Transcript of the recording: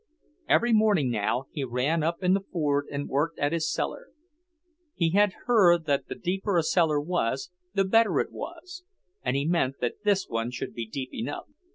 Every morning now he ran up in the Ford and worked at his cellar. He had heard that the deeper a cellar was, the better it was; and he meant that this one should be deep enough.